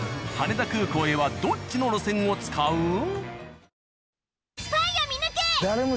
羽田空港へはどっちの路線を使う？